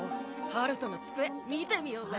陽翔の机見てみようぜ！